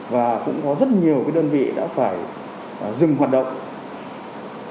và cũng có rất nhiều đơn vị đã phải dừng hoạt động